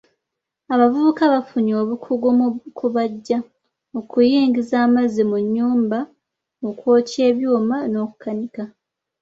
Abavubuka bafunye obukugu mu kubajja, okuyingiza amazzi mu nnyumba, okwokya ebyuma n'okukanika.